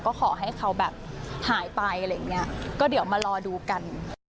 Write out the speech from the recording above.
ก็ขอให้เขาแบบหายไปอะไรอย่างเงี้ยก็เดี๋ยวมารอดูกัน